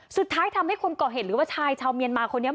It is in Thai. ทำให้คนก่อเหตุหรือว่าชายชาวเมียนมาคนนี้